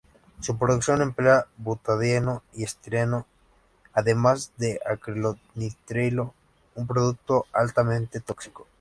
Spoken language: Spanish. Su producción emplea butadieno y estireno además de acrilonitrilo, un producto altamente tóxico.